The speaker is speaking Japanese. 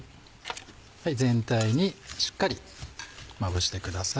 全体にしっかりまぶしてください。